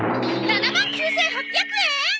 ７万９８００円！？